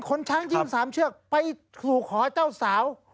ขนช้าง๒๓เชือกไปหลุกหอเจ้าสาว